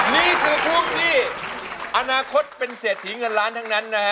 นี่คือช่วงที่อนาคตเป็นเศรษฐีเงินล้านทั้งนั้นนะฮะ